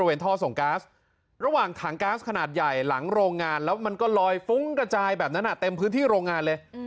ท่อส่งก๊าซระหว่างถังก๊าซขนาดใหญ่หลังโรงงานแล้วมันก็ลอยฟุ้งกระจายแบบนั้นเต็มพื้นที่โรงงานเลย